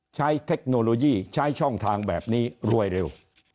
เทคโนโลยีใช้ช่องทางแบบนี้รวยเร็ว